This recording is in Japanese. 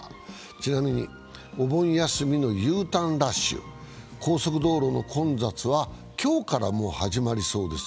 ちなみに、お盆休みのＵターンラッシュ、高速道路の混雑は今日からもう始まりそうです。